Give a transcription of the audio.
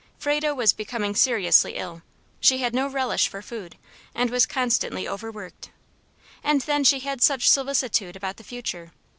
Frado was becoming seriously ill. She had no relish for food, and was constantly overworked, and then she had such solicitude about the future.